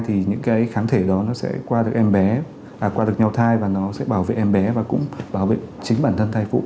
thì những cái kháng thể đó nó sẽ qua được nhau thai và nó sẽ bảo vệ em bé và cũng bảo vệ chính bản thân thai phụ